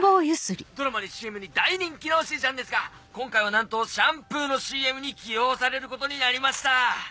ドラマにＣＭに大人気のしずちゃんですが今回はなんとシャンプーのＣＭに起用されることになりました！